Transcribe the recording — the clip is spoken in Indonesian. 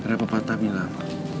ada pepatah bilang